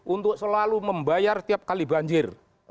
untuk selalu membayar tiap kali banjir